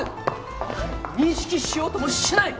認識しようともしない。